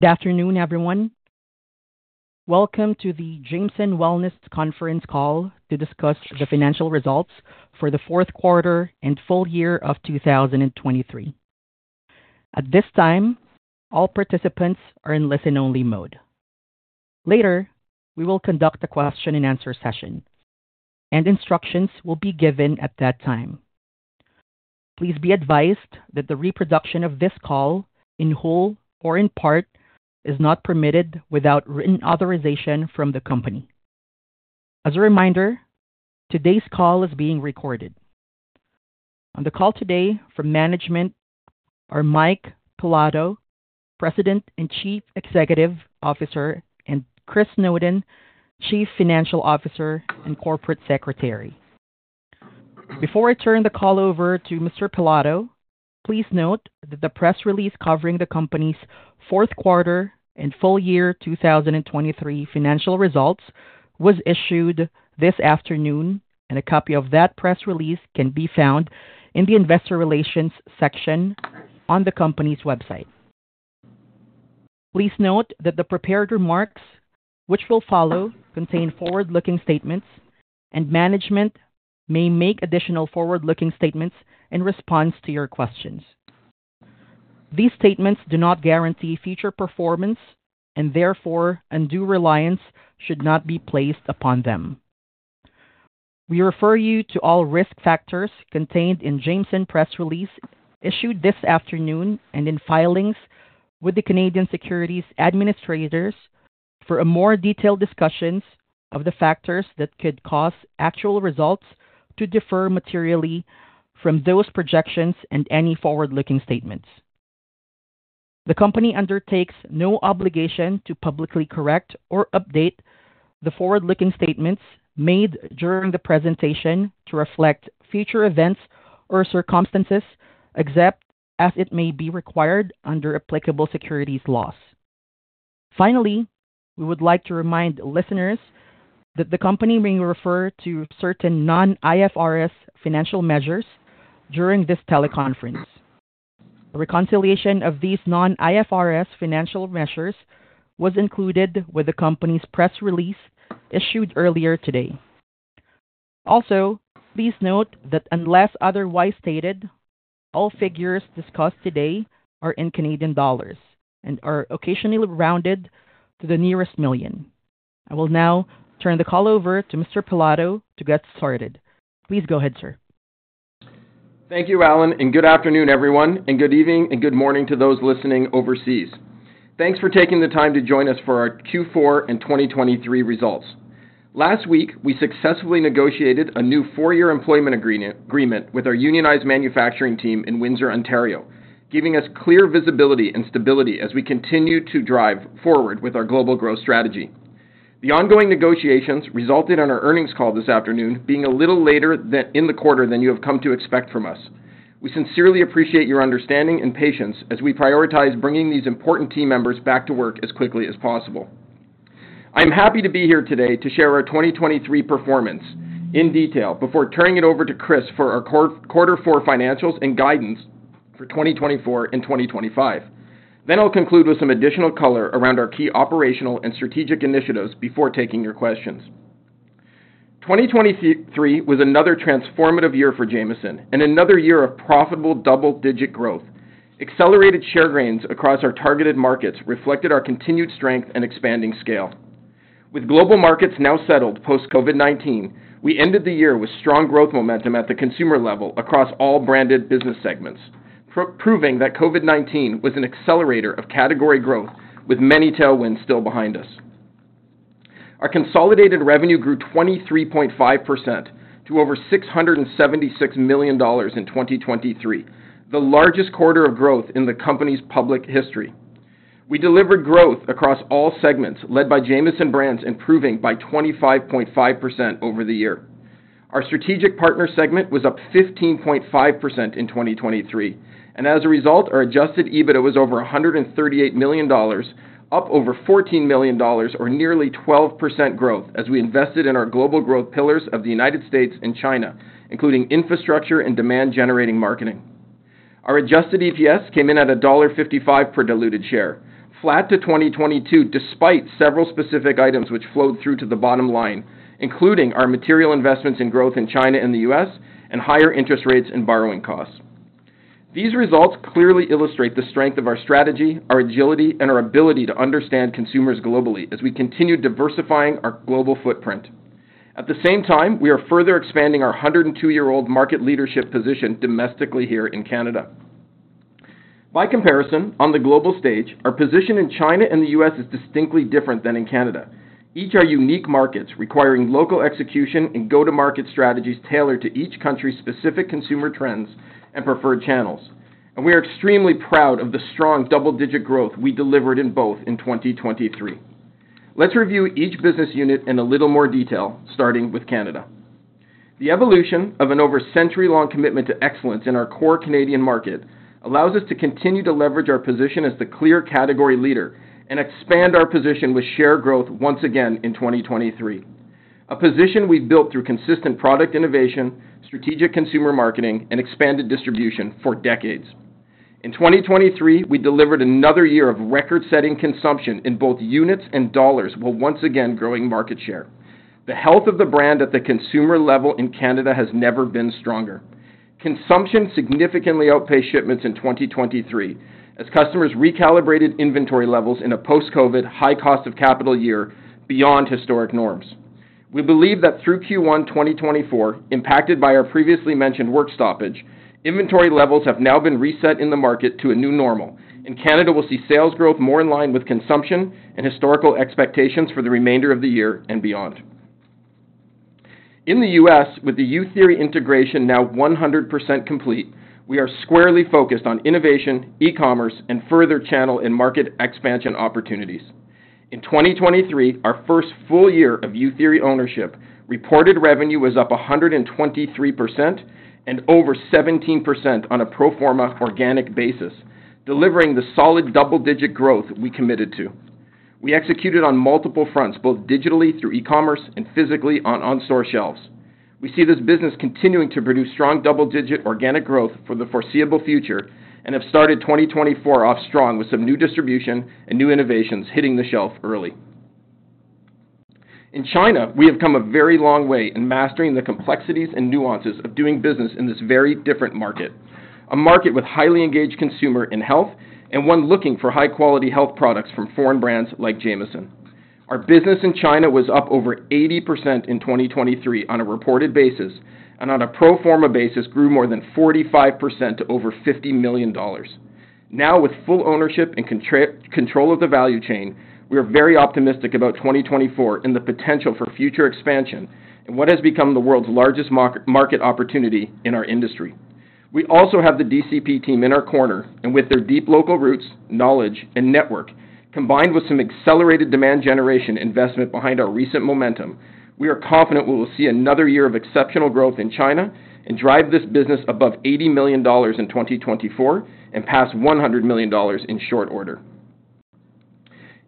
Good afternoon, everyone. Welcome to the Jamieson Wellness Conference Call to discuss the financial results for the fourth quarter and full year of 2023. At this time, all participants are in listen-only mode. Later, we will conduct a question and answer session, and instructions will be given at that time. Please be advised that the reproduction of this call, in whole or in part, is not permitted without written authorization from the company. As a reminder, today's call is being recorded. On the call today from management are Mike Pilato, President and Chief Executive Officer; and Chris Snowdon, Chief Financial Officer and Corporate Secretary. Before I turn the call over to Mr. Pilato, please note that the press release covering the company's fourth quarter and full year 2023 financial results was issued this afternoon, and a copy of that press release can be found in the Investor Relations section on the company's website. Please note that the prepared remarks, which will follow, contain forward-looking statements, and management may make additional forward-looking statements in response to your questions. These statements do not guarantee future performance, and therefore, undue reliance should not be placed upon them. We refer you to all risk factors contained in Jamieson press release issued this afternoon and in filings with the Canadian Securities Administrators for a more detailed discussions of the factors that could cause actual results to differ materially from those projections and any forward-looking statements. The company undertakes no obligation to publicly correct or update the forward-looking statements made during the presentation to reflect future events or circumstances, except as it may be required under applicable securities laws. Finally, we would like to remind listeners that the company may refer to certain non-IFRS financial measures during this teleconference. A reconciliation of these non-IFRS financial measures was included with the company's press release issued earlier today. Also, please note that unless otherwise stated, all figures discussed today are in Canadian dollars and are occasionally rounded to the nearest million. I will now turn the call over to Mr. Pilato to get started. Please go ahead, sir. Thank you, Alan, and good afternoon, everyone, and good evening, and good morning to those listening overseas. Thanks for taking the time to join us for our Q4 and 2023 results. Last week, we successfully negotiated a new four year employment agreement with our unionized manufacturing team in Windsor, Ontario, giving us clear visibility and stability as we continue to drive forward with our global growth strategy. The ongoing negotiations resulted in our earnings call this afternoon, being a little later in the quarter than you have come to expect from us. We sincerely appreciate your understanding and patience as we prioritize bringing these important team members back to work as quickly as possible. I'm happy to be here today to share our 2023 performance in detail before turning it over to Chris for our quarter four financials and guidance for 2024 and 2025. Then I'll conclude with some additional color around our key operational and strategic initiatives before taking your questions. 2023 was another transformative year for Jamieson and another year of profitable double-digit growth. Accelerated share gains across our targeted markets reflected our continued strength and expanding scale. With global markets now settled post-COVID-19, we ended the year with strong growth momentum at the consumer level across all branded business segments, proving that COVID-19 was an accelerator of category growth, with many tailwinds still behind us. Our consolidated revenue grew 23.5% to over CAD 676 million in 2023, the largest quarter of growth in the company's public history. We delivered growth across all segments, led by Jamieson Brands, improving by 25.5% over the year. Our Strategic Partner segment was up 15.5% in 2023, and as a result, our Adjusted EBITDA was over 138 million dollars, up over 14 million dollars or nearly 12% growth as we invested in our global growth pillars of the United States and China, including infrastructure and demand-generating marketing. Our Adjusted EPS came in at dollar 1.55 per diluted share, flat to 2022, despite several specific items which flowed through to the bottom line, including our material investments in growth in China and the U.S., and higher interest rates and borrowing costs. These results clearly illustrate the strength of our strategy, our agility, and our ability to understand consumers globally as we continue diversifying our global footprint. At the same time, we are further expanding our 102-year-old market leadership position domestically here in Canada. By comparison, on the global stage, our position in China and the U.S. is distinctly different than in Canada. Each are unique markets, requiring local execution and go-to-market strategies tailored to each country's specific consumer trends and preferred channels. We are extremely proud of the strong double-digit growth we delivered in both in 2023. Let's review each business unit in a little more detail, starting with Canada. The evolution of an over century-long commitment to excellence in our core Canadian market allows us to continue to leverage our position as the clear category leader and expand our position with share growth once again in 2023. A position we built through consistent product innovation, strategic consumer marketing, and expanded distribution for decades. In 2023, we delivered another year of record-setting consumption in both units and dollars, while once again growing market share. The health of the brand at the consumer level in Canada has never been stronger. Consumption significantly outpaced shipments in 2023, as customers recalibrated inventory levels in a post-COVID, high cost of capital year beyond historic norms. We believe that through Q1 2024, impacted by our previously mentioned work stoppage, inventory levels have now been reset in the market to a new normal, and Canada will see sales growth more in line with consumption and historical expectations for the remainder of the year and beyond. In the U.S., with the youtheory integration now 100% complete, we are squarely focused on innovation, e-commerce, and further channel and market expansion opportunities. In 2023, our first full year of you theory ownership, reported revenue was up 123% and over 17% on a pro forma organic basis, delivering the solid double-digit growth we committed to. We executed on multiple fronts, both digitally through e-commerce and physically in-store shelves. We see this business continuing to produce strong double-digit organic growth for the foreseeable future and have started 2024 off strong with some new distribution and new innovations hitting the shelf early. In China, we have come a very long way in mastering the complexities and nuances of doing business in this very different market. A market with highly engaged consumer in health, and one looking for high-quality health products from foreign brands like Jamieson. Our business in China was up over 80% in 2023 on a reported basis, and on a pro forma basis, grew more than 45% to over 50 million dollars. Now, with full ownership and contractual control of the value chain, we are very optimistic about 2024 and the potential for future expansion in what has become the world's largest market opportunity in our industry. We also have the DCP team in our corner, and with their deep local roots, knowledge, and network, combined with some accelerated demand generation investment behind our recent momentum, we are confident we will see another year of exceptional growth in China and drive this business above 80 million dollars in 2024, and past 100 million dollars in short order.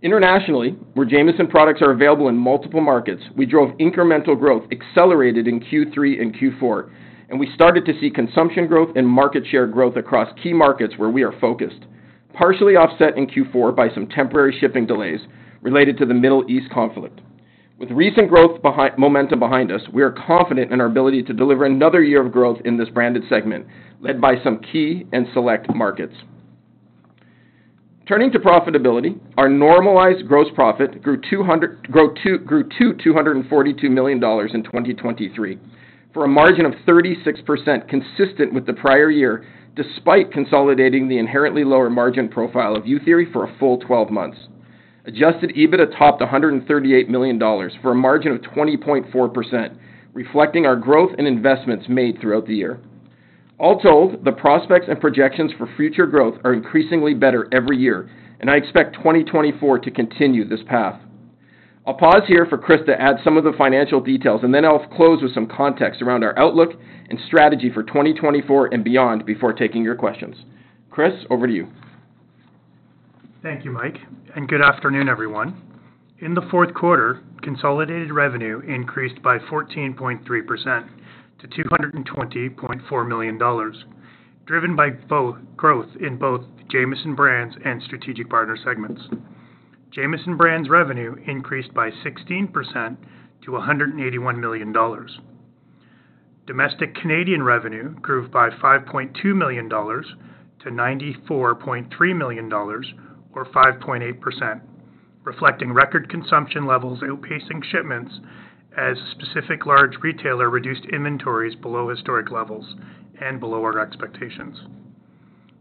Internationally, where Jamieson products are available in multiple markets, we drove incremental growth accelerated in Q3 and Q4, and we started to see consumption growth and market share growth across key markets where we are focused, partially offset in Q4 by some temporary shipping delays related to the Middle East conflict. With recent momentum behind us, we are confident in our ability to deliver another year of growth in this branded segment, led by some key and select markets. Turning to profitability, our normalized gross profit grew to 242 million dollars in 2023, for a margin of 36%, consistent with the prior year, despite consolidating the inherently lower margin profile of youtheory for a full 12 months. Adjusted EBITDA topped 138 million dollars, for a margin of 20.4%, reflecting our growth and investments made throughout the year. All told, the prospects and projections for future growth are increasingly better every year, and I expect 2024 to continue this path. I'll pause here for Chris to add some of the financial details, and then I'll close with some context around our outlook and strategy for 2024 and beyond before taking your questions. Chris, over to you. Thank you, Mike, and good afternoon, everyone. In the fourth quarter, consolidated revenue increased by 14.3% to 220.4 million dollars, driven by growth in both Jamieson Brands and Strategic Partner segments. Jamieson Brands revenue increased by 16% to 181 million dollars. Domestic Canadian revenue grew by 5.2 million-94.3 million dollars, or 5.8%, reflecting record consumption levels outpacing shipments as specific large retailer reduced inventories below historic levels and below our expectations.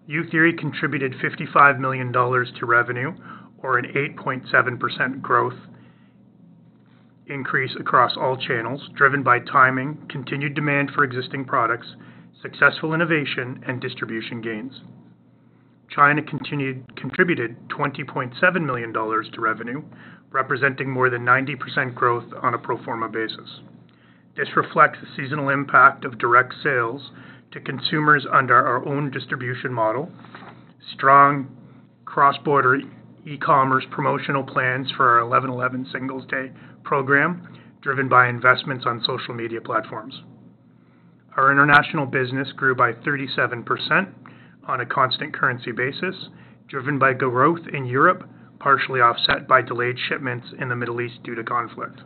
youtheory contributed 55 million dollars to revenue or an 8.7% growth increase across all channels, driven by timing, continued demand for existing products, successful innovation, and distribution gains. China contributed 20.7 million dollars to revenue, representing more than 90% growth on a pro forma basis. This reflects the seasonal impact of direct sales to consumers under our own distribution model, strong cross-border e-commerce promotional plans for our Eleven Eleven Singles Day program, driven by investments on social media platforms. Our international business grew by 37% on a constant currency basis, driven by growth in Europe, partially offset by delayed shipments in the Middle East due to conflict.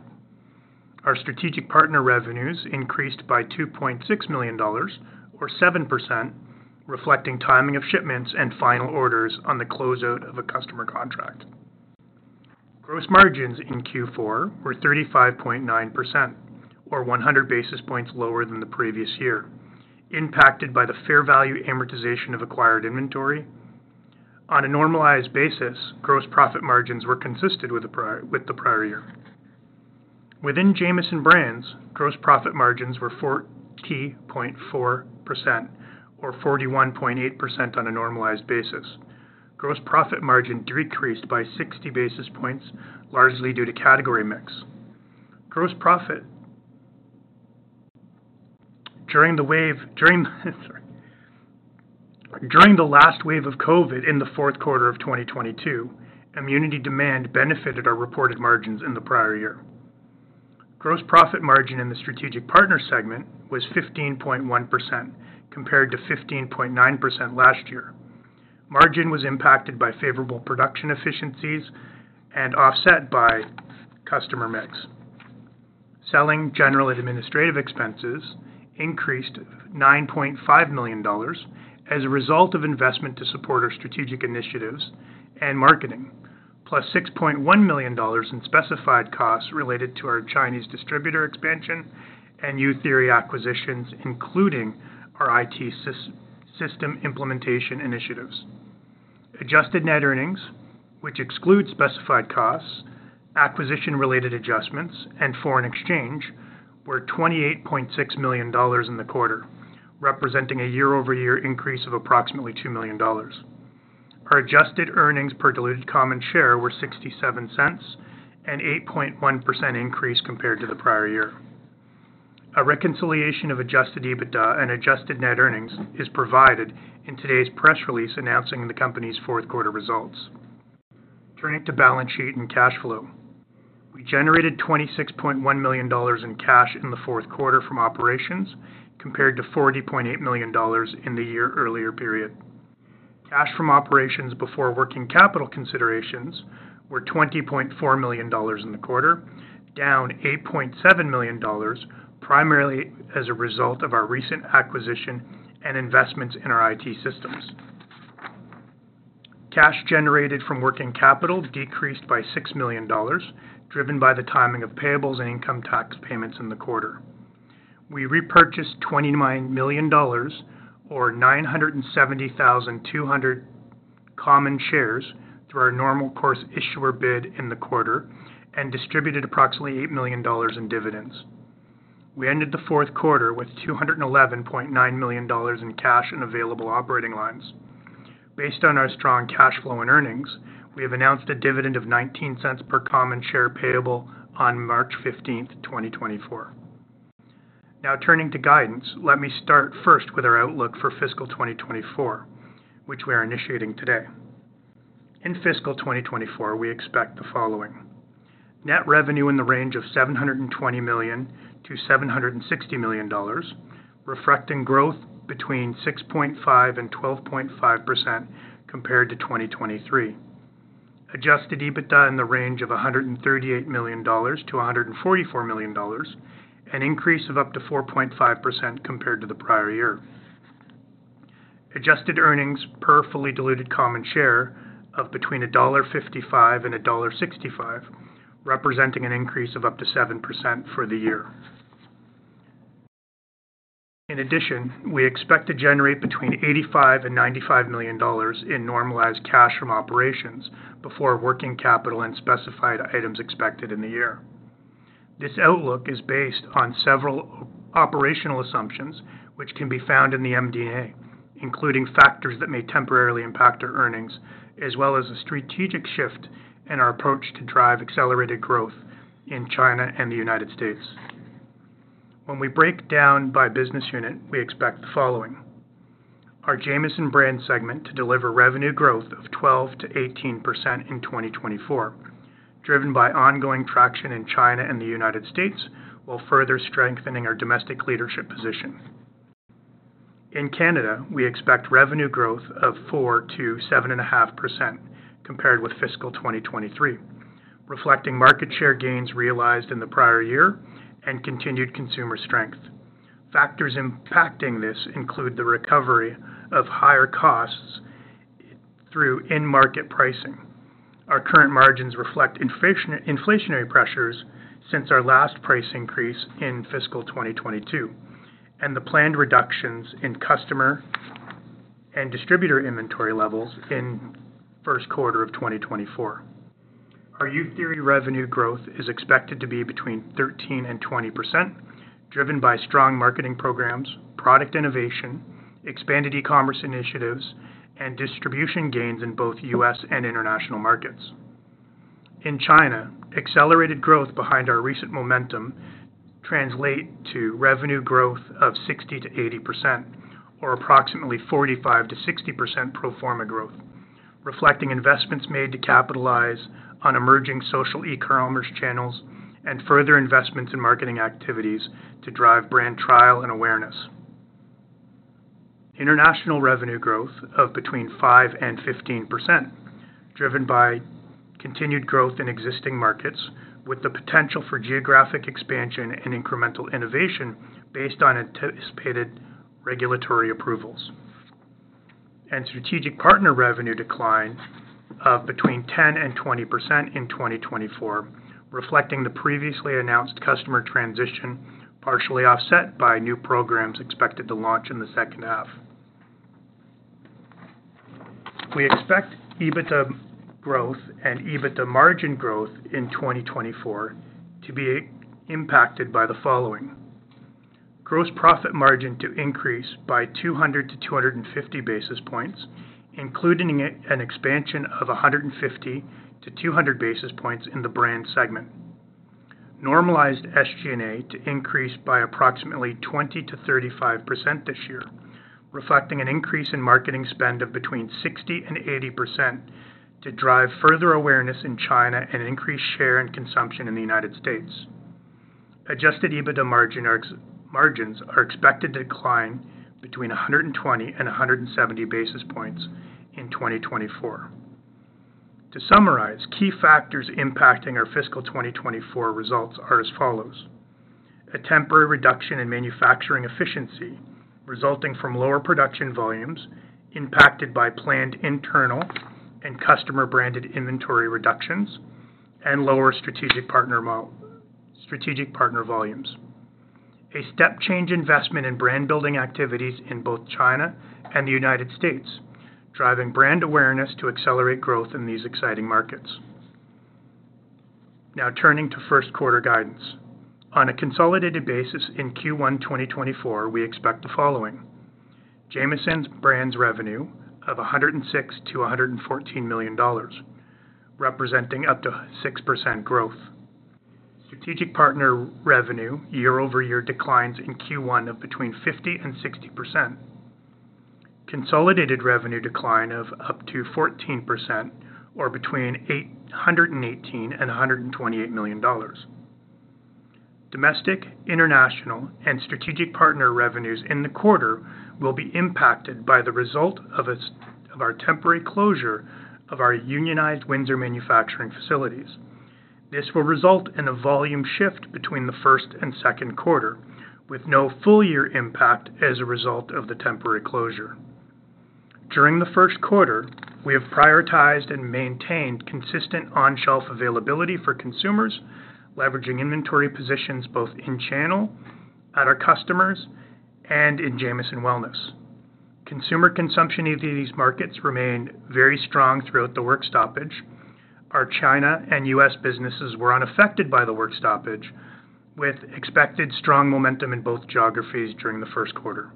Our Strategic Partner revenues increased by 2.6 million dollars or 7%, reflecting timing of shipments and final orders on the closeout of a customer contract. Gross margins in Q4 were 35.9% or 100 basis points lower than the previous year, impacted by the fair value amortization of acquired inventory. On a normalized basis, gross profit margins were consistent with the prior, with the prior year. Within Jamieson Brands, gross profit margins were 40.4% or 41.8% on a normalized basis. Gross profit margin decreased by 60 basis points, largely due to category mix. During the last wave of COVID in the fourth quarter of 2022, immunity demand benefited our reported margins in the prior year. Gross profit margin in the Strategic Partner segment was 15.1%, compared to 15.9% last year. Margin was impacted by favorable production efficiencies and offset by customer mix. Selling general administrative expenses increased 9.5 million dollars as a result of investment to support our strategic initiatives and marketing, +6.1 million dollars in specified costs related to our Chinese distributor expansion and youtheory acquisitions, including our IT system implementation initiatives. Adjusted net earnings, which excludes specified costs, acquisition-related adjustments, and foreign exchange, were 28.6 million dollars in the quarter, representing a year-over-year increase of approximately 2 million dollars. Our adjusted earnings per diluted common share were 0.67, an 8.1% increase compared to the prior year. A reconciliation of Adjusted EBITDA and adjusted net earnings is provided in today's press release announcing the company's fourth quarter results. Turning to balance sheet and cash flow. We generated 26.1 million dollars in cash in the fourth quarter from operations, compared to 40.8 million dollars in the year earlier period. Cash from operations before working capital considerations were 20.4 million dollars in the quarter, down 8.7 million dollars, primarily as a result of our recent acquisition and investments in our IT systems. Cash generated from working capital decreased by 6 million dollars, driven by the timing of payables and income tax payments in the quarter. We repurchased 29 million dollars, or 970,200 common shares, through our normal course issuer bid in the quarter and distributed approximately 8 million dollars in dividends. We ended the fourth quarter with 211.9 million dollars in cash and available operating lines. Based on our strong cash flow and earnings, we have announced a dividend of 0.19 per common share, payable on March 15th, 2024. Now, turning to guidance, let me start first with our outlook for fiscal 2024, which we are initiating today. In fiscal 2024, we expect the following: Net revenue in the range of 720 million-760 million dollars, reflecting growth between 6.5% and 12.5% compared to 2023. Adjusted EBITDA in the range of 138 million-144 million dollars, an increase of up to 4.5% compared to the prior year. Adjusted earnings per fully diluted common share of between dollar 1.55 and dollar 1.65, representing an increase of up to 7% for the year. In addition, we expect to generate between 85 million and 95 million dollars in normalized cash from operations before working capital and specified items expected in the year. This outlook is based on several operational assumptions, which can be found in the MD&A, including factors that may temporarily impact our earnings, as well as a strategic shift in our approach to drive accelerated growth in China and the United States. When we break down by business unit, we expect the following: Our Jamieson brand segment to deliver revenue growth of 12%-18% in 2024, driven by ongoing traction in China and the United States, while further strengthening our domestic leadership position. In Canada, we expect revenue growth of 4%-7.5% compared with fiscal 2023, reflecting market share gains realized in the prior year and continued consumer strength. Factors impacting this include the recovery of higher costs through in-market pricing. Our current margins reflect inflationary pressures since our last price increase in fiscal 2022, and the planned reductions in customer and distributor inventory levels in first quarter of 2024. Our youtheory revenue growth is expected to be between 13% and 20%, driven by strong marketing programs, product innovation, expanded e-commerce initiatives, and distribution gains in both U.S. and international markets. In China, accelerated growth behind our recent momentum translate to revenue growth of 60%-80%, or approximately 45%-60% pro forma growth, reflecting investments made to capitalize on emerging social e-commerce channels and further investments in marketing activities to drive brand trial and awareness. International revenue growth of between 5% and 15%, driven by continued growth in existing markets, with the potential for geographic expansion and incremental innovation based on anticipated regulatory approvals. Strategic Partner revenue decline of between 10% and 20% in 2024, reflecting the previously announced customer transition, partially offset by new programs expected to launch in the second half. We expect EBITDA growth and EBITDA margin growth in 2024 to be impacted by the following: Gross profit margin to increase by 200-250 basis points, including an expansion of 150-200 basis points in the brand segment. Normalized SG&A to increase by approximately 20%-35% this year, reflecting an increase in marketing spend of between 60% and 80% to drive further awareness in China and increase share and consumption in the United States. Adjusted EBITDA margin or margins are expected to decline between 120 and 170 basis points in 2024. To summarize, key factors impacting our fiscal 2024 results are as follows: A temporary reduction in manufacturing efficiency, resulting from lower production volumes, impacted by planned internal and customer-branded inventory reductions, and lower Strategic Partner volumes. A step change investment in brand-building activities in both China and the United States, driving brand awareness to accelerate growth in these exciting markets. Now, turning to first quarter guidance. On a consolidated basis in Q1 2024, we expect the following: Jamieson brands revenue of 106 million-114 million dollars, representing up to 6% growth. Strategic Partner revenue year-over-year declines in Q1 of between 50% and 60%. Consolidated revenue decline of up to 14%, or between 118 million and 128 million dollars. Domestic, international, and Strategic Partner revenues in the quarter will be impacted by the result of its, of our temporary closure of our unionized Windsor manufacturing facilities. This will result in a volume shift between the first and second quarter, with no full year impact as a result of the temporary closure. During the first quarter, we have prioritized and maintained consistent on-shelf availability for consumers, leveraging inventory positions both in-channel, at our customers, and in Jamieson Wellness. Consumer consumption in these markets remained very strong throughout the work stoppage. Our China and US businesses were unaffected by the work stoppage, with expected strong momentum in both geographies during the first quarter.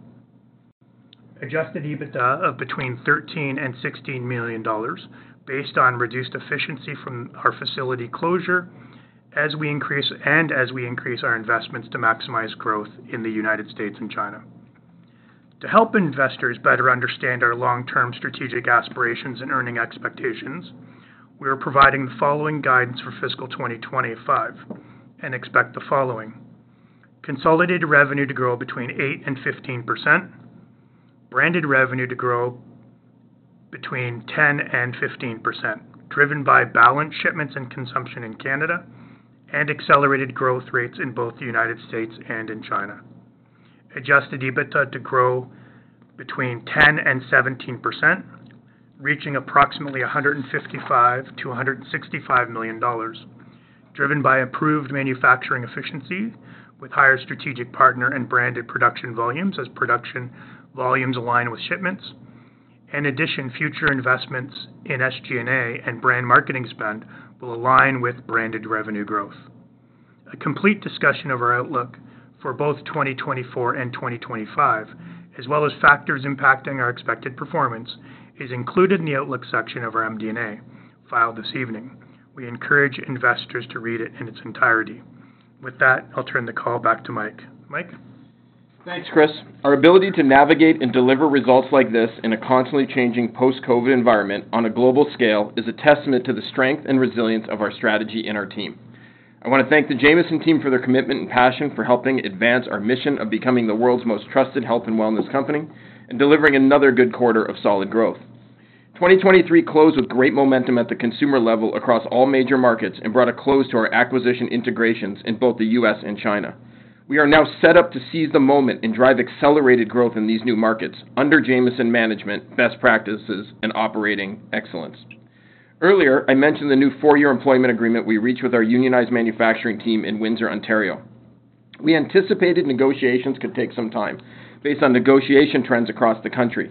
Adjusted EBITDA of between 13 million and 16 million dollars based on reduced efficiency from our facility closure, as we increase our investments to maximize growth in the United States and China. To help investors better understand our long-term strategic aspirations and earnings expectations, we are providing the following guidance for fiscal 2025, and expect the following: consolidated revenue to grow between 8% and 15%, branded revenue to grow between 10% and 15%, driven by balanced shipments and consumption in Canada, and accelerated growth rates in both the United States and in China. Adjusted EBITDA to grow between 10% and 17%, reaching approximately 155 million-165 million dollars, driven by improved manufacturing efficiency with higher Strategic Partner and branded production volumes as production volumes align with shipments. In addition, future investments in SG&A and brand marketing spend will align with branded revenue growth. A complete discussion of our outlook for both 2024 and 2025, as well as factors impacting our expected performance, is included in the Outlook section of our MD&A filed this evening. We encourage investors to read it in its entirety. With that, I'll turn the call back to Mike. Mike? Thanks, Chris. Our ability to navigate and deliver results like this in a constantly changing post-COVID environment on a global scale is a testament to the strength and resilience of our strategy and our team. I want to thank the Jamieson team for their commitment and passion for helping advance our mission of becoming the world's most trusted health and wellness company, and delivering another good quarter of solid growth. 2023 closed with great momentum at the consumer level across all major markets and brought a close to our acquisition integrations in both the U.S. and China. We are now set up to seize the moment and drive accelerated growth in these new markets under Jamieson management, best practices, and operating excellence. Earlier, I mentioned the new 4-year employment agreement we reached with our unionized manufacturing team in Windsor, Ontario. We anticipated negotiations could take some time based on negotiation trends across the country.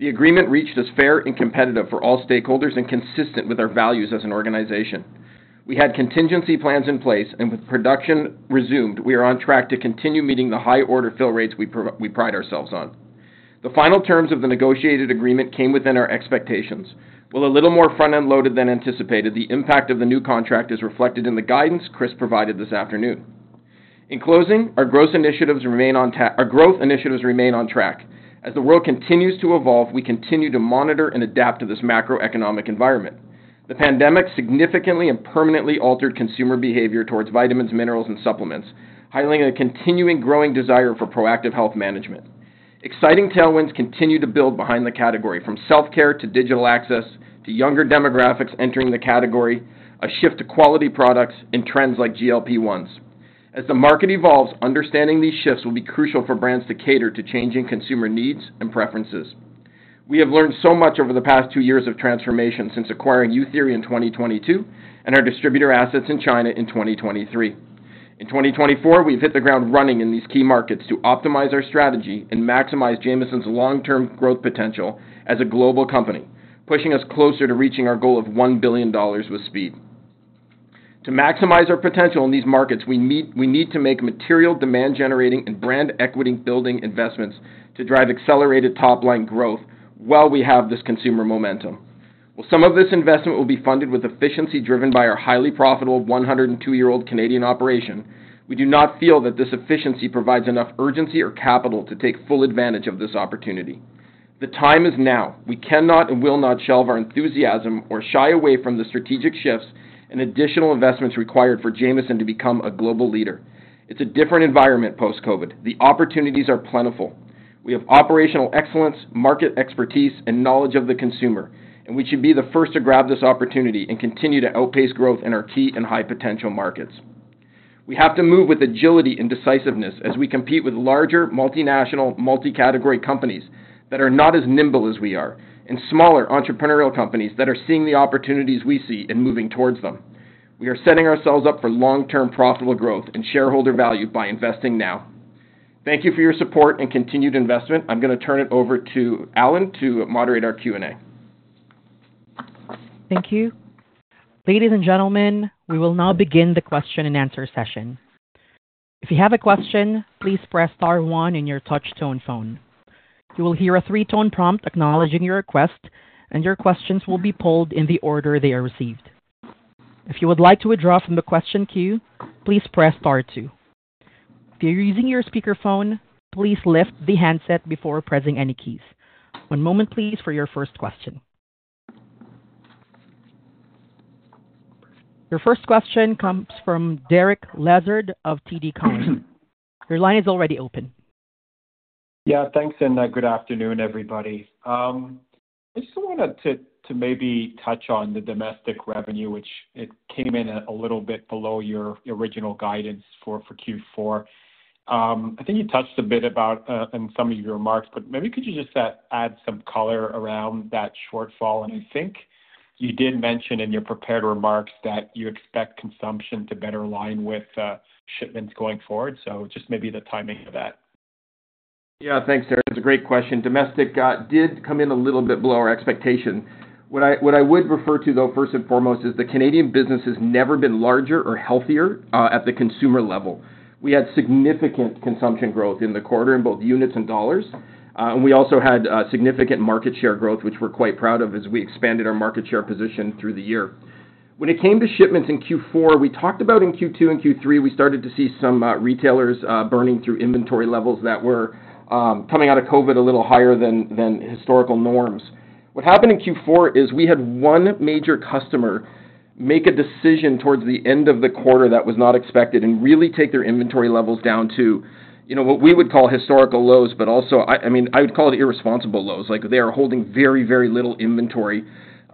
The agreement reached is fair and competitive for all stakeholders and consistent with our values as an organization. We had contingency plans in place, and with production resumed, we are on track to continue meeting the high order fill rates we pride ourselves on. The final terms of the negotiated agreement came within our expectations. While a little more front-end loaded than anticipated, the impact of the new contract is reflected in the guidance Chris provided this afternoon. In closing, our growth initiatives remain on track. As the world continues to evolve, we continue to monitor and adapt to this macroeconomic environment. The pandemic significantly and permanently altered consumer behavior towards vitamins, minerals, and supplements, highlighting a continuing growing desire for proactive health management. Exciting tailwinds continue to build behind the category, from self-care to digital access, to younger demographics entering the category, a shift to quality products and trends like GLP-1s. As the market evolves, understanding these shifts will be crucial for brands to cater to changing consumer needs and preferences. We have learned so much over the past two years of transformation since acquiring Nutrawise in 2022, and our distributor assets in China in 2023. In 2024, we've hit the ground running in these key markets to optimize our strategy and maximize Jamieson's long-term growth potential as a global company, pushing us closer to reaching our goal of 1 billion dollars with speed. To maximize our potential in these markets, we need, we need to make material demand-generating and brand equity-building investments to drive accelerated top-line growth while we have this consumer momentum. Well, some of this investment will be funded with efficiency driven by our highly profitable 102-year-old Canadian operation. We do not feel that this efficiency provides enough urgency or capital to take full advantage of this opportunity. The time is now. We cannot and will not shelve our enthusiasm or shy away from the strategic shifts and additional investments required for Jamieson to become a global leader. It's a different environment post-COVID. The opportunities are plentiful. We have operational excellence, market expertise, and knowledge of the consumer, and we should be the first to grab this opportunity and continue to outpace growth in our key and high potential markets. We have to move with agility and decisiveness as we compete with larger, multinational, multi-category companies that are not as nimble as we are, and smaller entrepreneurial companies that are seeing the opportunities we see in moving towards them. We are setting ourselves up for long-term profitable growth and shareholder value by investing now. Thank you for your support and continued investment. I'm gonna turn it over to Alan to moderate our Q&A. Thank you. Ladies and gentlemen, we will now begin the question and answer session. If you have a question, please press star one in your touch tone phone. You will hear a three-tone prompt acknowledging your request, and your questions will be pulled in the order they are received. If you would like to withdraw from the question queue, please press star two. If you're using your speakerphone, please lift the handset before pressing any keys. One moment, please, for your first question. Your first question comes from Derek Lessard of TD Cowen. Your line is already open. Yeah, thanks, and, good afternoon, everybody. I just wanted to maybe touch on the domestic revenue, which it came in a little bit below your original guidance for Q4. I think you touched a bit about in some of your remarks, but maybe could you just add some color around that shortfall? And I think you did mention in your prepared remarks that you expect consumption to better align with shipments going forward. So just maybe the timing of that. Yeah. Thanks, Derek. It's a great question. Domestic, did come in a little bit below our expectation. What I, what I would refer to, though, first and foremost, is the Canadian business has never been larger or healthier, at the consumer level. We had significant consumption growth in the quarter in both units and dollars, and we also had, significant market share growth, which we're quite proud of as we expanded our market share position through the year. When it came to shipments in Q4, we talked about in Q2 and Q3, we started to see some retailers, burning through inventory levels that were, coming out of COVID a little higher than, historical norms. What happened in Q4 is we had one major customer make a decision towards the end of the quarter that was not expected and really take their inventory levels down to, you know, what we would call historical lows, but also, I mean, I would call it irresponsible lows. Like, they are holding very, very little inventory.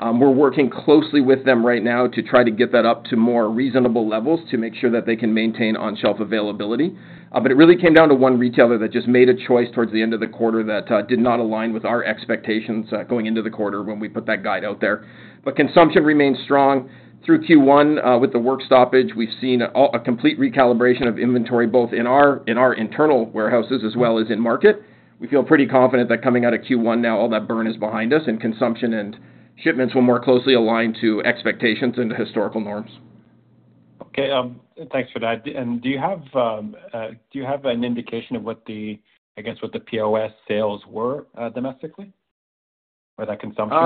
We're working closely with them right now to try to get that up to more reasonable levels to make sure that they can maintain on-shelf availability. But it really came down to one retailer that just made a choice towards the end of the quarter that did not align with our expectations going into the quarter when we put that guide out there. But consumption remains strong through Q1. With the work stoppage, we've seen a complete recalibration of inventory, both in our internal warehouses as well as in market. We feel pretty confident that coming out of Q1 now, all that burn is behind us, and consumption and shipments will more closely align to expectations and historical norms. Okay, thanks for that. And do you have an indication of what the, I guess, what the POS sales were, domestically, or that consumption?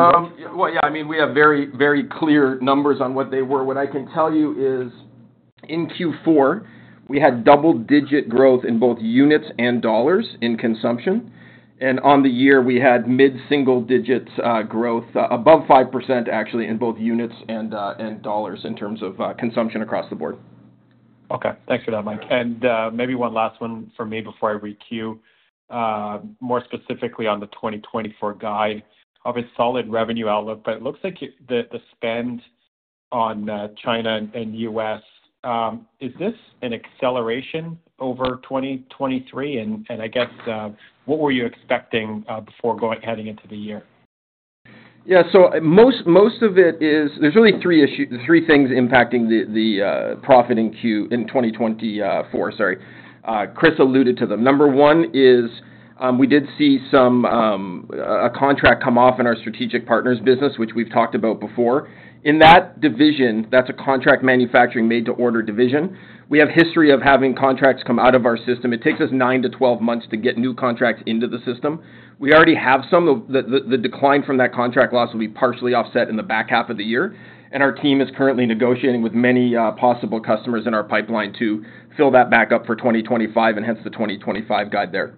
Well, yeah, I mean, we have very, very clear numbers on what they were. What I can tell you is, in Q4, we had double-digit growth in both units and dollars in consumption, and on the year, we had mid-single digits growth, above 5%, actually, in both units and dollars in terms of consumption across the board. Okay. Thanks for that, Mike. And, maybe one last one for me before I re-queue. More specifically on the 2024 guide. Obviously, solid revenue outlook, but it looks like the spend on China and U.S., is this an acceleration over 2023? And, I guess, what were you expecting before heading into the year? Yeah, so most, most of it is. There's really three issues—three things impacting the profit in Q4 2024, sorry. Chris alluded to them. Number one is, we did see some a contract come off in our Strategic Partner business, which we've talked about before. In that division, that's a contract manufacturing made-to-order division. We have history of having contracts come out of our system. It takes us nine to 12 months to get new contracts into the system. We already have some of the decline from that contract loss will be partially offset in the back half of the year, and our team is currently negotiating with many possible customers in our pipeline to fill that back up for 2025, and hence the 2025 guide there.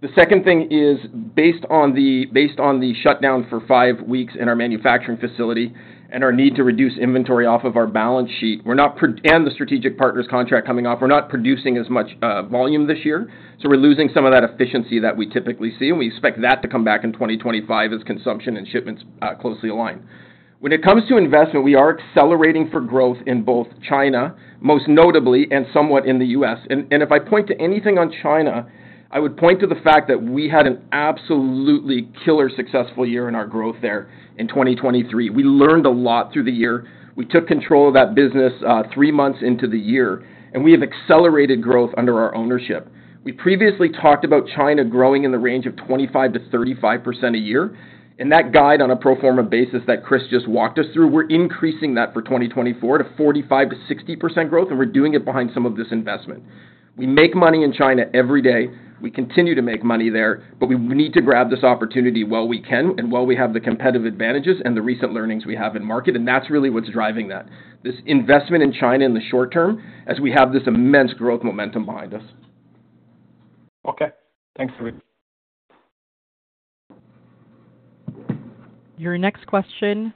The second thing is, based on the shutdown for five weeks in our manufacturing facility and our need to reduce inventory off of our balance sheet, we're not pro-- And the strategic partners contract coming off, we're not producing as much volume this year, so we're losing some of that efficiency that we typically see, and we expect that to come back in 2025 as consumption and shipments closely align. When it comes to investment, we are accelerating for growth in both China, most notably, and somewhat in the U.S. And if I point to anything on China, I would point to the fact that we had an absolutely killer successful year in our growth there in 2023. We learned a lot through the year. We took control of that business three months into the year, and we have accelerated growth under our ownership. We previously talked about China growing in the range of 25%-35% a year, and that guide on a pro forma basis that Chris just walked us through, we're increasing that for 2024 to 45%-60% growth, and we're doing it behind some of this investment. We make money in China every day. We continue to make money there, but we need to grab this opportunity while we can and while we have the competitive advantages and the recent learnings we have in market, and that's really what's driving that. This investment in China in the short term, as we have this immense growth momentum behind us. Okay. Thanks, Mike. Your next question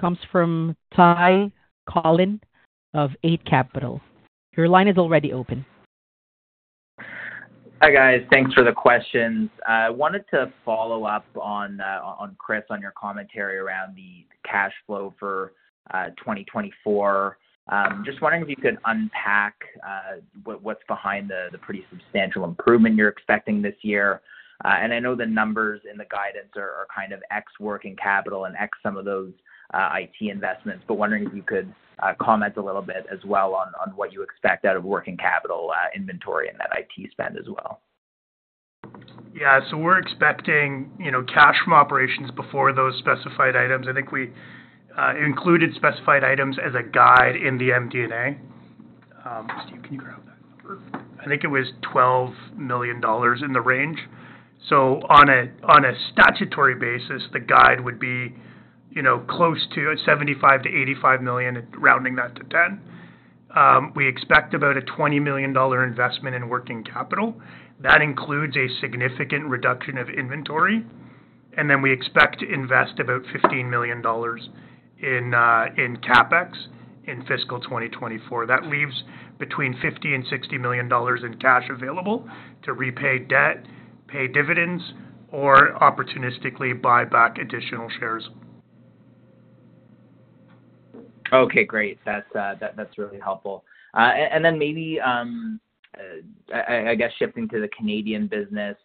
comes from Ty Collin of Eight Capital. Your line is already open. Hi, guys. Thanks for the questions. I wanted to follow up on Chris on your commentary around the cash flow for 2024. Just wondering if you could unpack what's behind the pretty substantial improvement you're expecting this year. And I know the numbers and the guidance are kind of ex working capital and ex some of those IT investments, but wondering if you could comment a little bit as well on what you expect out of working capital, inventory and that IT spend as well. Yeah. So we're expecting, you know, cash from operations before those specified items. I think we included specified items as a guide in the MD&A. Steve, can you grab that number? I think it was 12 million dollars in the range. So on a statutory basis, the guide would be, you know, close to 75 million-85 million, rounding that to ten. We expect about a 20 million dollar investment in working capital. That includes a significant reduction of inventory, and then we expect to invest about 15 million dollars in CapEx in fiscal 2024. That leaves between 50 million and 60 million dollars in cash available to repay debt, pay dividends, or opportunistically buy back additional shares. Okay, great. That's really helpful. And then maybe I guess shifting to the Canadian business,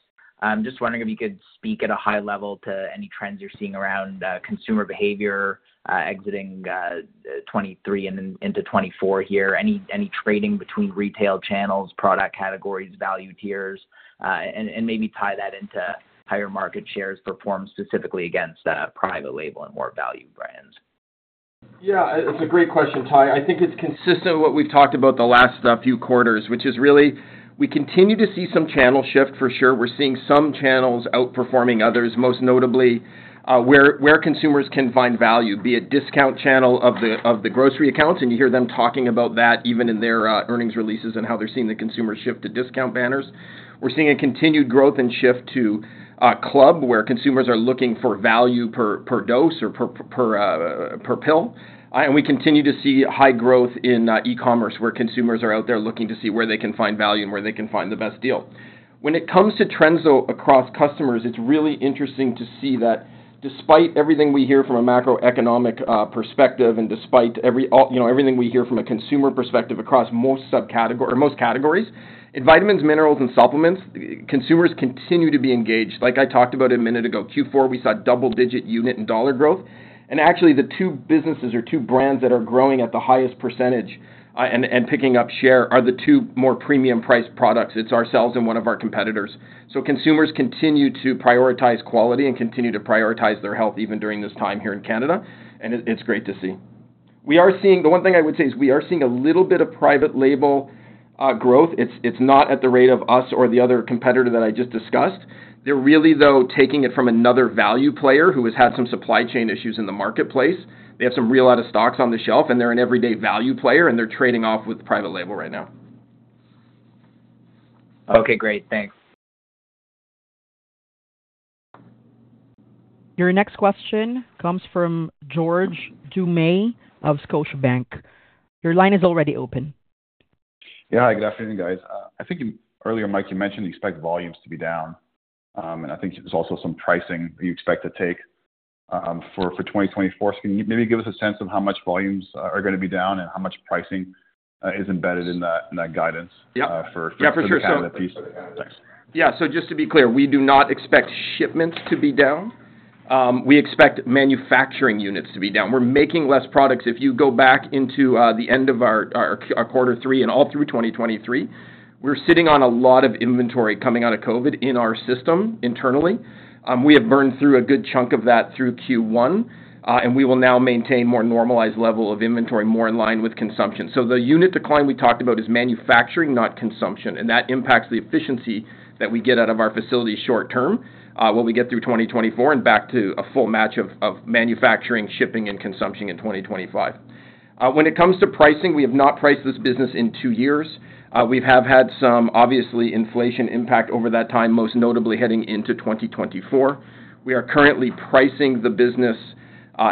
I'm just wondering if you could speak at a high level to any trends you're seeing around consumer behavior exiting 2023 and then into 2024 here. Any trading between retail channels, product categories, value tiers, and maybe tie that into higher market shares performed specifically against private label and more value brands. Yeah, it's a great question, Ty. I think it's consistent with what we've talked about the last few quarters, which is really, we continue to see some channel shift for sure. We're seeing some channels outperforming others, most notably, where consumers can find value, be it discount channel of the grocery accounts, and you hear them talking about that even in their earnings releases and how they're seeing the consumer shift to discount banners. We're seeing a continued growth and shift to club, where consumers are looking for value per dose or per pill. And we continue to see high growth in e-commerce, where consumers are out there looking to see where they can find value and where they can find the best deal. When it comes to trends though, across customers, it's really interesting to see that despite everything we hear from a macroeconomic perspective and despite every, you know, everything we hear from a consumer perspective across most subcategory or most categories, in vitamins, minerals, and supplements, consumers continue to be engaged. Like I talked about a minute ago, Q4, we saw double-digit unit and dollar growth, and actually, the two businesses or two brands that are growing at the highest percentage and picking up share are the two more premium priced products. It's ourselves and one of our competitors. So consumers continue to prioritize quality and continue to prioritize their health even during this time here in Canada, and it's great to see. We are seeing. The one thing I would say is we are seeing a little bit of private label growth. It's not at the rate of us or the other competitor that I just discussed. They're really, though, taking it from another value player who has had some supply chain issues in the marketplace. They have some real out-of-stocks on the shelf, and they're an everyday value player, and they're trading off with private label right now. Okay, great. Thanks. Your next question comes from George Doumet of Scotiabank. Your line is already open. Yeah. Good afternoon, guys. I think earlier, Mike, you mentioned you expect volumes to be down, and I think there's also some pricing you expect to take, for 2024. Can you maybe give us a sense of how much volumes are gonna be down and how much pricing is embedded in that guidance? Yep. For the Canada piece? Yeah, for sure. Thanks. Yeah. So just to be clear, we do not expect shipments to be down. We expect manufacturing units to be down. We're making less products. If you go back into the end of our quarter three and all through 2023, we're sitting on a lot of inventory coming out of COVID in our system internally. We have burned through a good chunk of that through Q1, and we will now maintain more normalized level of inventory, more in line with consumption. So the unit decline we talked about is manufacturing, not consumption, and that impacts the efficiency that we get out of our facilities short term, when we get through 2024 and back to a full match of manufacturing, shipping, and consumption in 2025. When it comes to pricing, we have not priced this business in two years. We have had some, obviously, inflation impact over that time, most notably heading into 2024. We are currently pricing the business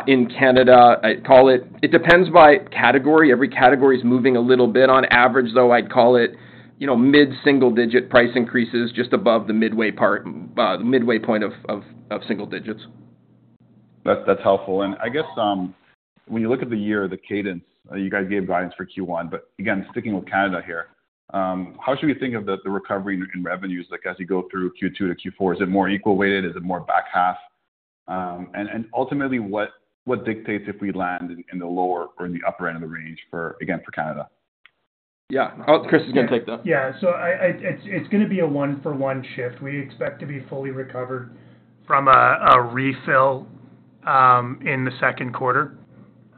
in Canada. I'd call it- It depends by category. Every category is moving a little bit. On average, though, I'd call it, you know, mid-single-digit price increases just above the midway part, the midway point of single digits. That's helpful. I guess, when you look at the year, the cadence, you guys gave guidance for Q1, but again, sticking with Canada here, how should we think of the recovery in revenues, like as you go through Q2 to Q4? Is it more equal weighted? Is it more back half? And ultimately, what dictates if we land in the lower or the upper end of the range for, again, Canada? Yeah. Oh, Chris is gonna take that. Yeah. So it's gonna be a one-for-one shift. We expect to be fully recovered from a refill in the second quarter.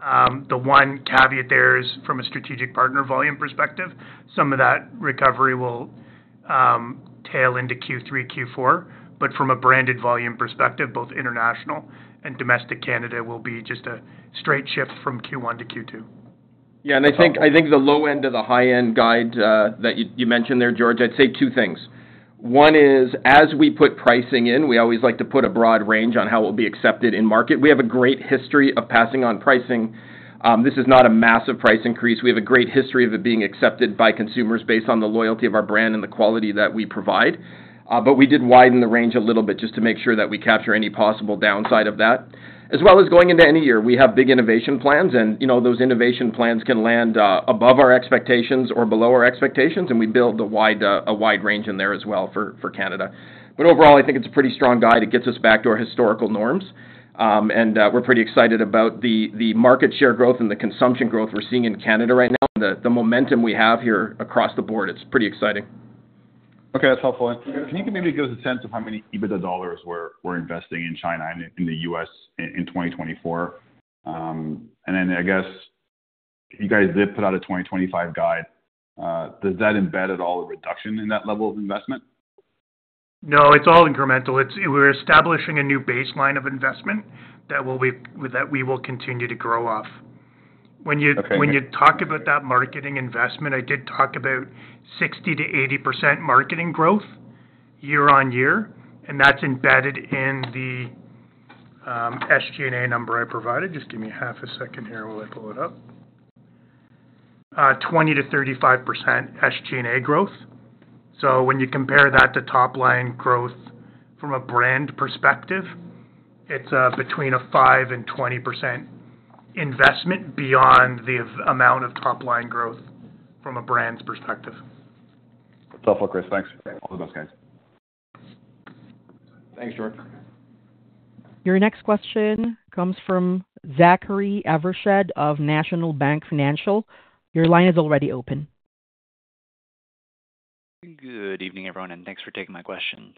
The one caveat there is from a Strategic Partner volume perspective, some of that recovery will tail into Q3, Q4, but from a branded volume perspective, both international and domestic Canada, will be just a straight shift from Q1-Q2. Yeah, and I think, I think the low end of the high-end guide that you mentioned there, George, I'd say two things. One is, as we put pricing in, we always like to put a broad range on how it will be accepted in market. We have a great history of passing on pricing. This is not a massive price increase. We have a great history of it being accepted by consumers based on the loyalty of our brand and the quality that we provide. But we did widen the range a little bit just to make sure that we capture any possible downside of that. As well as going into any year, we have big innovation plans, and, you know, those innovation plans can land above our expectations or below our expectations, and we build a wide range in there as well for Canada. But overall, I think it's a pretty strong guide. It gets us back to our historical norms. And we're pretty excited about the market share growth and the consumption growth we're seeing in Canada right now, and the momentum we have here across the board. It's pretty exciting. Okay, that's helpful. Can you maybe give us a sense of how many EBITDA dollars we're investing in China and in the U.S. in 2024? And then I guess you guys did put out a 2025 guide. Does that embed at all a reduction in that level of investment? No, it's all incremental. It's. We're establishing a new baseline of investment that we will continue to grow off. Okay. When you talked about that marketing investment, I did talk about 60%-80% marketing growth year-on-year, and that's embedded in the SG&A number I provided. Just give me half a second here while I pull it up. 20%-35% SG&A growth. So when you compare that to top line growth from a brand perspective, it's between 5% and 20% investment beyond the amount of top line growth from a brand's perspective. That's helpful, Chris. Thanks. All of those guys. Thanks, George. Your next question comes from Zachary Evershed of National Bank Financial. Your line is already open. Good evening, everyone, and thanks for taking my questions.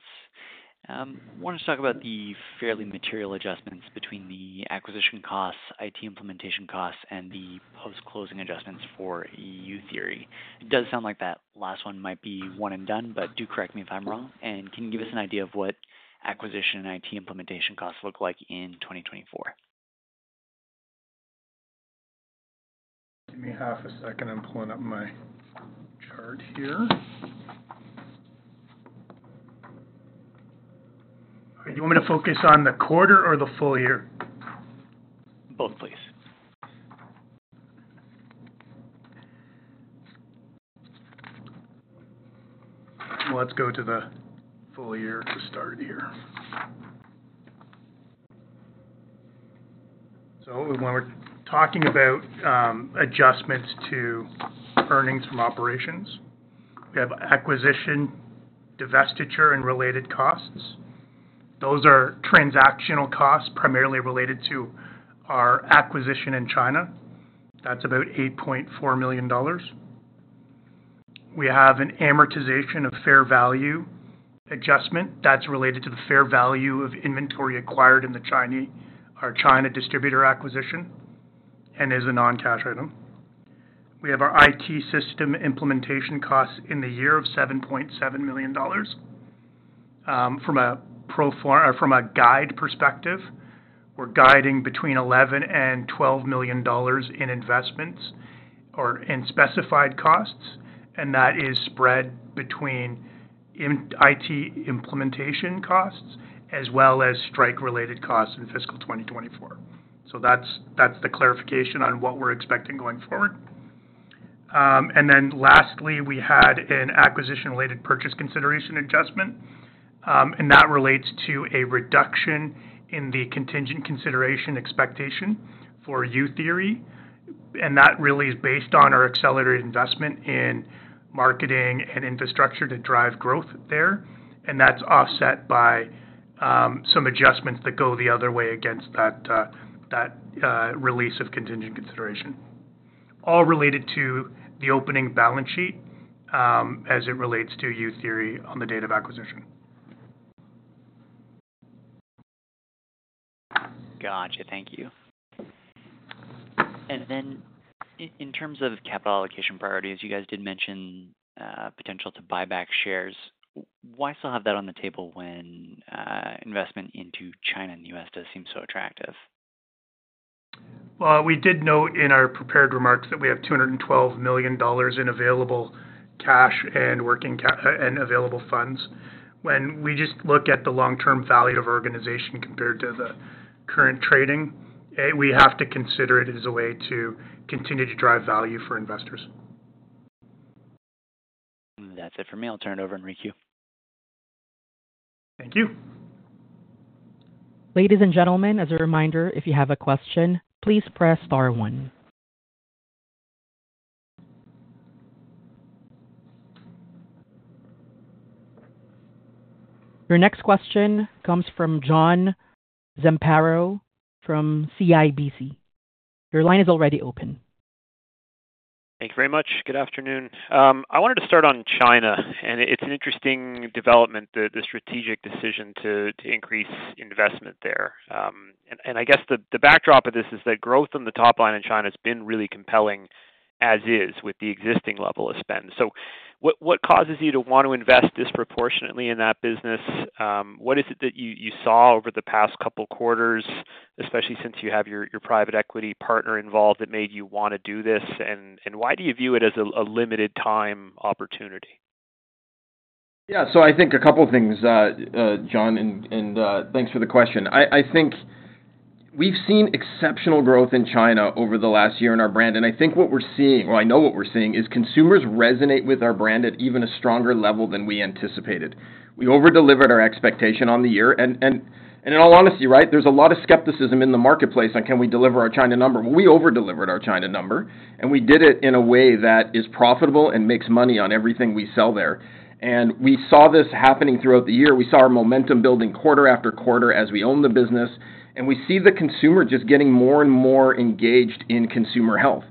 Wanted to talk about the fairly material adjustments between the acquisition costs, IT implementation costs, and the post-closing adjustments for youtheory. It does sound like that last one might be one and done, but do correct me if I'm wrong. And can you give us an idea of what acquisition and IT implementation costs look like in 2024? Give me half a second. I'm pulling up my chart here. Do you want me to focus on the quarter or the full year? Both, please. Let's go to the full year to start here. So when we're talking about, adjustments to earnings from operations, we have acquisition, divestiture, and related costs. Those are transactional costs, primarily related to our acquisition in China. That's about 8.4 million dollars. We have an amortization of fair value adjustment that's related to the fair value of inventory acquired in our China distributor acquisition and is a non-cash item. We have our IT system implementation costs in the year of 7.7 million dollars. From a guide perspective, we're guiding between 11 million and 12 million dollars in investments or in specified costs, and that is spread between IT implementation costs, as well as strike-related costs in fiscal 2024. So that's the clarification on what we're expecting going forward. And then lastly, we had an acquisition-related purchase consideration adjustment, and that relates to a reduction in the contingent consideration expectation for youtheory, and that really is based on our accelerated investment in marketing and infrastructure to drive growth there, and that's offset by some adjustments that go the other way against that release of contingent consideration. All related to the opening balance sheet, as it relates to youtheory on the date of acquisition. Gotcha. Thank you. And then in terms of capital allocation priority, as you guys did mention, potential to buy back shares, why still have that on the table when investment into China and the U.S. does seem so attractive? Well, we did note in our prepared remarks that we have 212 million dollars in available cash and working and available funds. When we just look at the long-term value of our organization compared to the current trading, we have to consider it as a way to continue to drive value for investors. That's it for me. I'll turn it over and requeue. Thank you. Ladies and gentlemen, as a reminder, if you have a question, please press star one. Your next question comes from John Zamparo from CIBC. Your line is already open. Thank you very much. Good afternoon. I wanted to start on China, and it's an interesting development, the strategic decision to increase investment there. I guess the backdrop of this is that growth on the top line in China has been really compelling, as is, with the existing level of spend. So what causes you to want to invest disproportionately in that business? What is it that you saw over the past couple quarters, especially since you have your private equity partner involved, that made you want to do this? Why do you view it as a limited time opportunity? Yeah, so I think a couple of things, John, and thanks for the question. I think we've seen exceptional growth in China over the last year in our brand, and I think what we're seeing, or I know what we're seeing, is consumers resonate with our brand at even a stronger level than we anticipated. We over-delivered our expectation on the year, and in all honesty, right, there's a lot of skepticism in the marketplace on can we deliver our China number? Well, we over-delivered our China number, and we did it in a way that is profitable and makes money on everything we sell there. We saw this happening throughout the year. We saw our momentum building quarter after quarter as we own the business, and we see the consumer just getting more and more engaged in consumer health.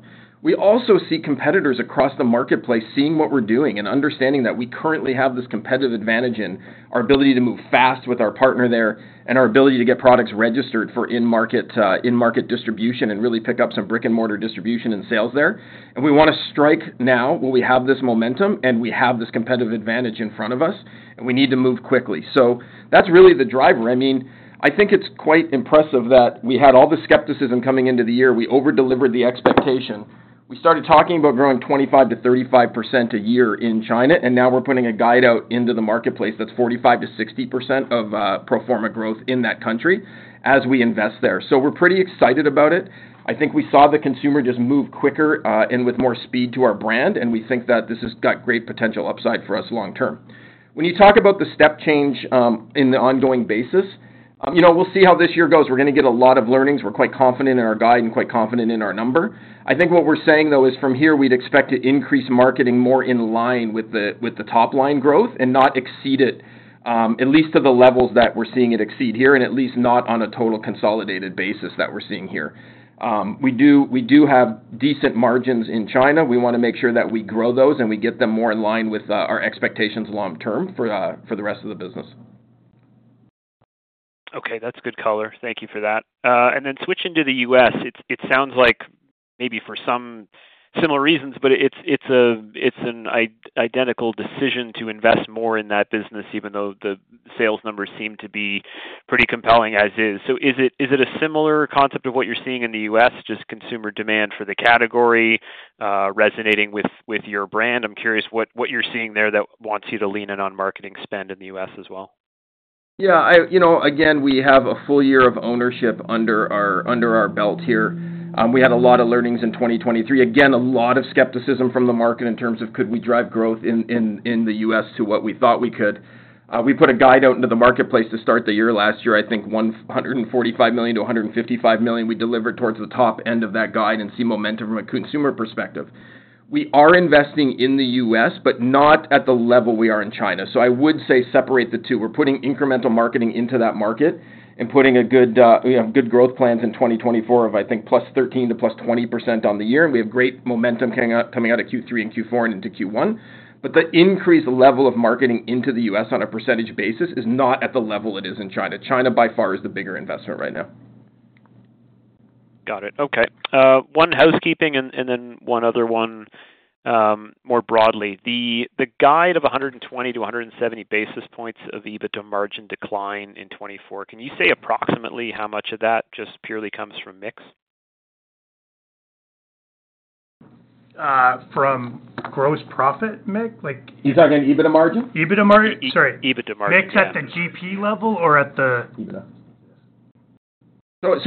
We also see competitors across the marketplace seeing what we're doing and understanding that we currently have this competitive advantage in our ability to move fast with our partner there, and our ability to get products registered for in-market, in-market distribution, and really pick up some brick-and-mortar distribution and sales there. And we wanna strike now, when we have this momentum, and we have this competitive advantage in front of us, and we need to move quickly. So that's really the driver. I mean, I think it's quite impressive that we had all the skepticism coming into the year. We over-delivered the expectation. We started talking about growing 25%-35% a year in China, and now we're putting a guide out into the marketplace that's 45%-60% of pro forma growth in that country as we invest there. So we're pretty excited about it. I think we saw the consumer just move quicker, and with more speed to our brand, and we think that this has got great potential upside for us long term. When you talk about the step change, in the ongoing basis, you know, we'll see how this year goes. We're gonna get a lot of learnings. We're quite confident in our guide and quite confident in our number. I think what we're saying, though, is from here, we'd expect to increase marketing more in line with the, with the top line growth and not exceed it, at least to the levels that we're seeing it exceed here, and at least not on a total consolidated basis that we're seeing here. We do, we do have decent margins in China. We wanna make sure that we grow those and we get them more in line with our expectations long term for the rest of the business. Okay, that's good color. Thank you for that. And then switching to the U.S., it sounds like maybe for some similar reasons, but it's a identical decision to invest more in that business, even though the sales numbers seem to be pretty compelling as is. So is it a similar concept of what you're seeing in the U.S., just consumer demand for the category resonating with your brand? I'm curious what you're seeing there that wants you to lean in on marketing spend in the U.S. as well. Yeah, you know, again, we have a full year of ownership under our belt here. We had a lot of learnings in 2023. Again, a lot of skepticism from the market in terms of could we drive growth in the U.S. to what we thought we could. We put a guide out into the marketplace to start the year last year, I think $145 million-$155 million. We delivered towards the top end of that guide and see momentum from a consumer perspective. We are investing in the U.S., but not at the level we are in China, so I would say separate the two. We're putting incremental marketing into that market and putting a good, you know, good growth plans in 2024 of, I think, +13%-+20% on the year. We have great momentum coming out of Q3 and Q4 and into Q1, but the increased level of marketing into the US on a percentage basis is not at the level it is in China. China, by far, is the bigger investor right now. Got it. Okay. One housekeeping and then one other one, more broadly. The guide of 120-170 basis points of EBITDA margin decline in 2024, can you say approximately how much of that just purely comes from mix? From gross profit mix? Like? You're talking EBITDA margin? EBITDA margin. Sorry. EBITDA margin, yeah. Mix at the GP level or at the? EBITDA.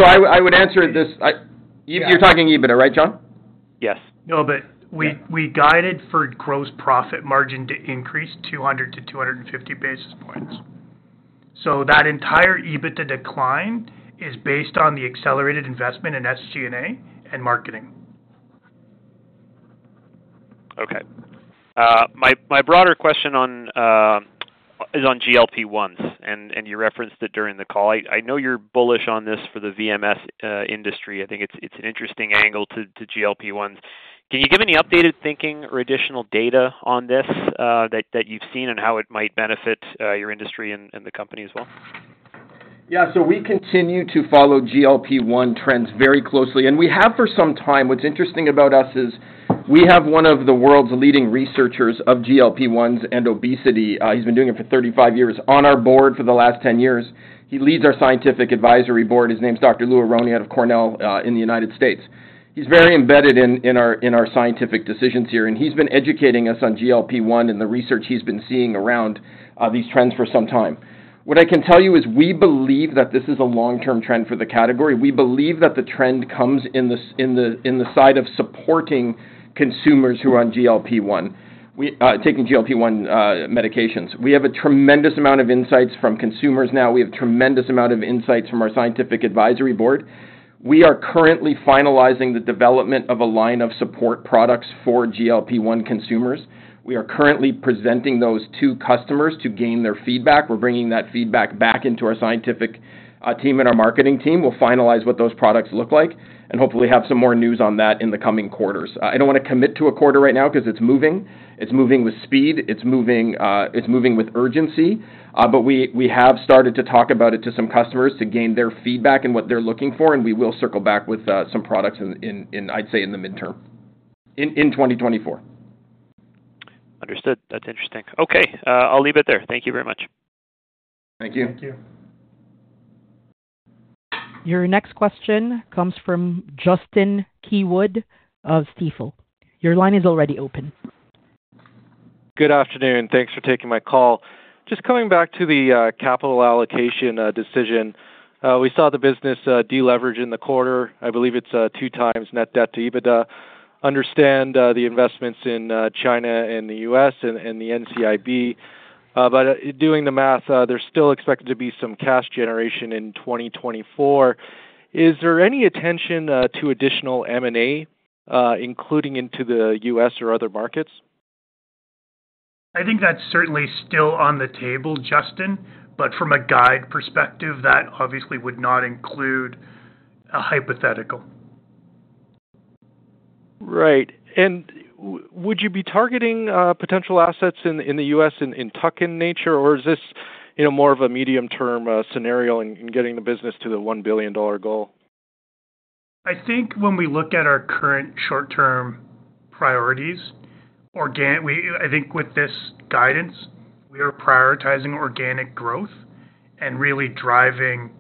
I would answer this. You're talking EBITDA, right, John? Yes. No, but we guided for gross profit margin to increase 200-250 basis points. So that entire EBITDA decline is based on the accelerated investment in SG&A and marketing. Okay. My broader question on GLP-1s, and you referenced it during the call. I know you're bullish on this for the VMS industry. I think it's an interesting angle to GLP-1s. Can you give any updated thinking or additional data on this that you've seen and how it might benefit your industry and the company as well? Yeah, so we continue to follow GLP-1 trends very closely, and we have for some time. What's interesting about us is we have one of the world's leading researchers of GLP-1s and obesity. He's been doing it for 35 years, on our board for the last 10 years. He leads our scientific advisory board. His name is Dr. Louis Aronne out of Cornell, in the United States. He's very embedded in our scientific decisions here, and he's been educating us on GLP-1 and the research he's been seeing around these trends for some time. What I can tell you is we believe that this is a long-term trend for the category. We believe that the trend comes in the side of supporting consumers who are on GLP-1. We taking GLP-1 medications. We have a tremendous amount of insights from consumers now. We have tremendous amount of insights from our scientific advisory board. We are currently finalizing the development of a line of support products for GLP-1 consumers. We are currently presenting those to customers to gain their feedback. We're bringing that feedback back into our scientific team and our marketing team. We'll finalize what those products look like, and hopefully have some more news on that in the coming quarters. I don't wanna commit to a quarter right now because it's moving. It's moving with speed, it's moving with urgency, but we have started to talk about it to some customers to gain their feedback and what they're looking for, and we will circle back with some products in the midterm, in 2024. Understood. That's interesting. Okay, I'll leave it there. Thank you very much. Thank you. Thank you. Your next question comes from Justin Keywood of Stifel. Your line is already open. Good afternoon. Thanks for taking my call. Just coming back to the capital allocation decision. We saw the business deleverage in the quarter. I believe it's 2x net debt to EBITDA. Understand the investments in China and the U.S. and the NCIB. But doing the math, there's still expected to be some cash generation in 2024. Is there any attention to additional M&A, including into the U.S. or other markets? I think that's certainly still on the table, Justin, but from a guide perspective, that obviously would not include a hypothetical. Right. And would you be targeting potential assets in the U.S. in tuck-in nature, or is this, you know, more of a medium-term scenario in getting the business to the 1 billion dollar goal? I think when we look at our current short-term priorities, organic—I think with this guidance, we are prioritizing organic growth and really driving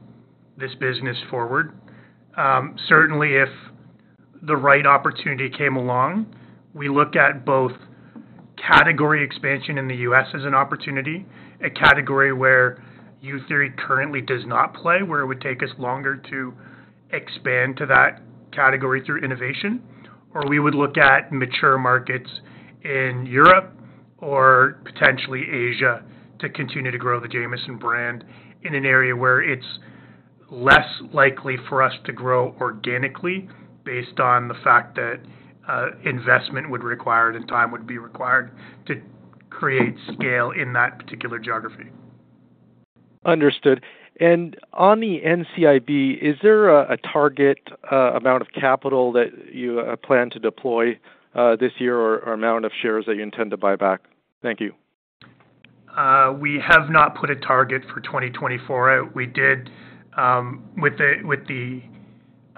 this business forward. Certainly, if the right opportunity came along, we look at both category expansion in the U.S. as an opportunity, a category where youtheory currently does not play, where it would take us longer to expand to that category through innovation. Or we would look at mature markets in Europe or potentially Asia to continue to grow the Jamieson brand in an area where it's less likely for us to grow organically based on the fact that, investment would require it and time would be required to create scale in that particular geography. Understood. On the NCIB, is there a target amount of capital that you plan to deploy this year, or amount of shares that you intend to buy back? Thank you. We have not put a target for 2024 out. We did.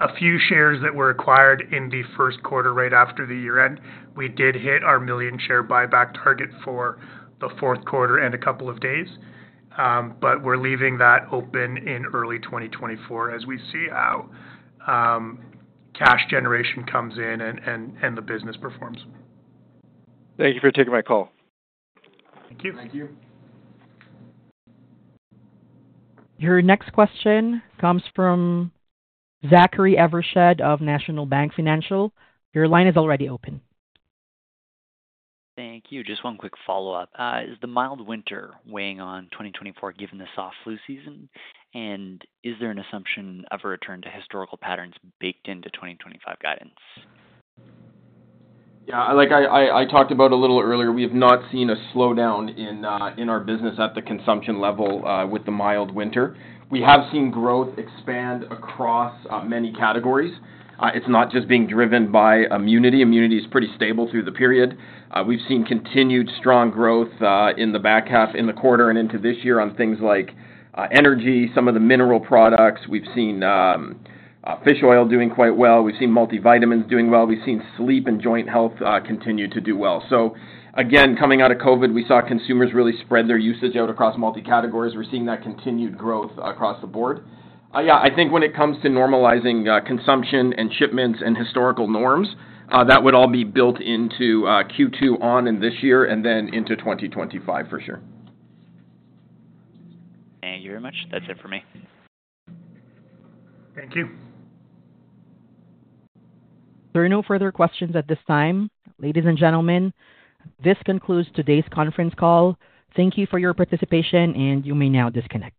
A few shares that were acquired in the first quarter, right after the year end, we did hit our 1 million share buyback target for the fourth quarter and a couple of days. But we're leaving that open in early 2024 as we see how cash generation comes in and the business performs. Thank you for taking my call. Thank you. Thank you. Your next question comes from Zachary Evershed of National Bank Financial. Your line is already open. Thank you. Just one quick follow-up. Is the mild winter weighing on 2024, given the soft flu season? And is there an assumption of a return to historical patterns baked into 2025 guidance? Yeah, like I talked about a little earlier, we have not seen a slowdown in our business at the consumption level with the mild winter. We have seen growth expand across many categories. It's not just being driven by immunity. Immunity is pretty stable through the period. We've seen continued strong growth in the back half, in the quarter and into this year on things like energy, some of the mineral products. We've seen fish oil doing quite well. We've seen multivitamins doing well. We've seen sleep and joint health continue to do well. So again, coming out of COVID, we saw consumers really spread their usage out across multi categories. We're seeing that continued growth across the board. Yeah, I think when it comes to normalizing consumption and shipments and historical norms, that would all be built into Q2 on in this year and then into 2025, for sure. Thank you very much. That's it for me. Thank you. There are no further questions at this time. Ladies and gentlemen, this concludes today's conference call. Thank you for your participation, and you may now disconnect.